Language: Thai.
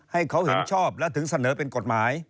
ให้เขาเห็นชอบและถึงเสนอเป็นกฎหมาย